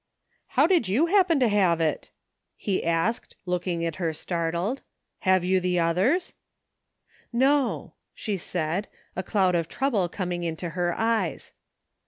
" How did you happen to have it ?" he asked, look ing at her startled. " Have you the others ?"" No," she said, a cloud of trouble coming into her eyes.